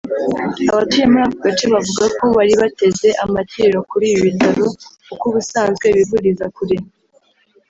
Abatuye muri aka gace bavuga ko bari bateze amakiriro kuri ibi bitaro kuko ubusanzwe bivuriza kure